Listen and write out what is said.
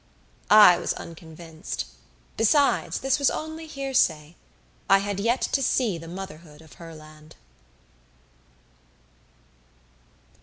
I was unconvinced. Besides, this was only hearsay; I had yet to see the motherhood of Herland.